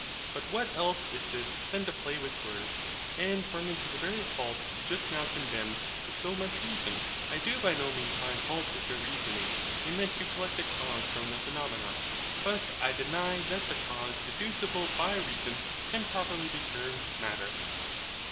But what else is this than to play with words, and run into that very fault you just now condemned with so much reason? I do by no means find fault with your reasoning, in that you collect a cause from the PHENOMENA: BUT I deny that THE cause deducible by reason can properly be termed Matter.